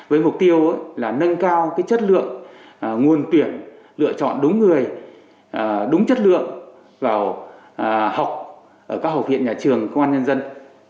với mục tiêu là nâng cao chất lượng nguồn tuyển lựa chọn đúng người đúng chất lượng vào học ở các học viện nhà trường công an nhân dân